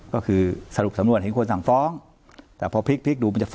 ก็คือสรุปสำนวนให้คนสั่งฟ้องแต่พอพริกดู